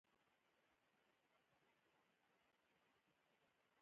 دې نوي دفتري توکي ته اوس ايډيفون وايي.